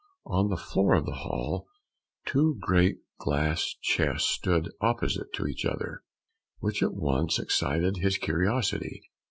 On the floor of the hall two great glass chests stood opposite to each other, which at once excited his curiosity.